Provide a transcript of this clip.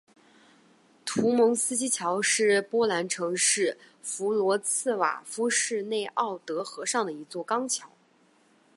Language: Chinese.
图蒙斯基桥是波兰城市弗罗茨瓦夫市内奥德河上的一座钢桥。